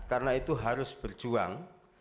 karena itu harus berjuang